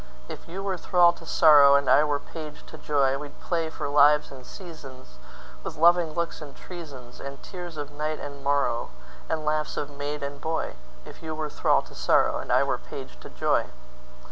If you were thrall to sorrow, And I were page to joy, We'd play for lives and seasonsWith loving looks and treasonsAnd tears of night and morrowAnd laughs of maid and boy; If you were thrall to sorrow, And I were page to joy.